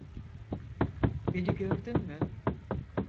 Beni gördün mü?